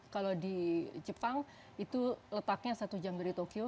kalau di jepang itu letaknya satu jam dari tokyo